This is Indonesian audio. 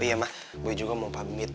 oh iya ma boy juga mau pamit